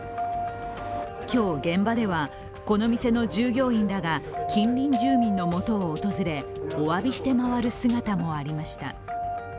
今日、現場ではこの店の従業員らが近隣住民の元を訪れおわびして回る姿もありました。